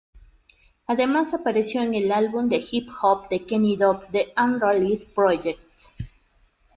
Además apareció en el álbum de hip-hop de Kenny Dope "The Unreleased Project".